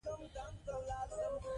پاکي او صداقت غوره صفتونه دي.